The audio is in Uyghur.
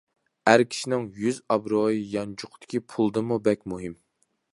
ئەر كىشىنىڭ يۈز-ئابرۇيى يانچۇقىدىكى پۇلىدىنمۇ بەك مۇھىم.